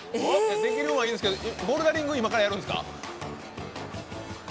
できるのはいいんですけどボルダリング、今やるんですか？